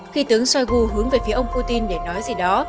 khi tướng shoigu hướng về phía ông putin để nói gì đó